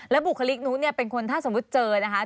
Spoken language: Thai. แล้วบุคลิกนุ๊กเป็นคนถ้าสมมุติเจอนะคะ